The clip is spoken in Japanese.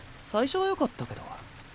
最初はよかったけど。